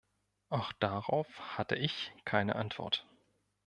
Auch darauf hatte ich keine Antwort.